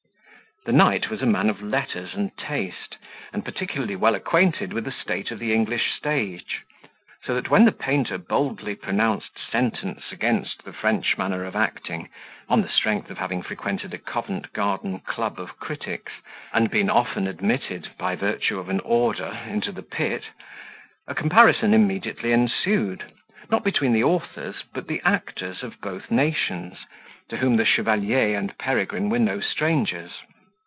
The knight was a man of letters and taste, and particularly well acquainted with the state of the English stage; so that when the painter boldly pronounced sentence against the French manner of acting, on the strength of having frequented a Covent Garden club of critics, and been often admitted, by virtue of an order, into the pit; a comparison immediately ensued, not between the authors, but the actors of both nations, to whom the chevalier and Peregrine were no strangers.